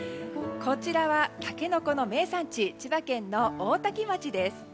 こちらはタケノコの名産地千葉県の大多喜町です。